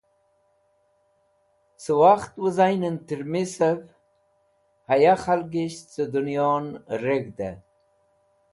Cẽ wakht wẽzaynẽn tẽrmisẽv haya khalgisht cẽ dẽnyon reg̃hdẽ.